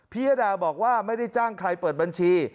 ยดาบอกว่าไม่ได้จ้างใครเปิดบัญชี